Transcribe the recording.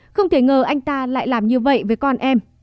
không thể ngờ anh ta lại làm như vậy với con em